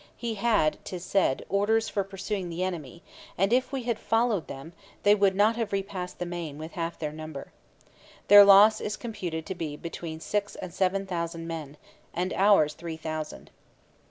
He had, 'tis said, orders for pursuing the enemy, and if we had followed them, they would not have repassed the Main with half their number. Their loss is computed to be between six and seven thousand men, and ours three thousand.